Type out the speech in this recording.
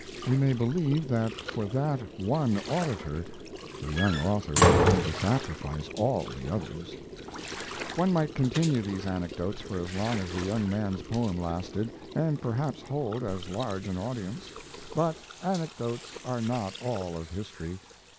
We may believe that for that one auditor the young author was willing to sacrifice all the others. One might continue these anecdotes for as long as the young man's poem lasted, and perhaps hold as large an audience. But anecdotes are not all of history.